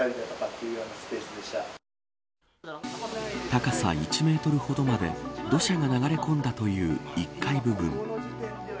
高さ１メートルほどまで土砂が流れ込んだという１階部分。